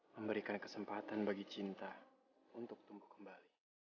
memberikan kesempatan bagi cinta untuk tumbuh kembali